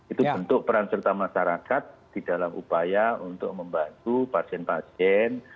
itu bentuk peran serta masyarakat di dalam upaya untuk membantu pasien pasien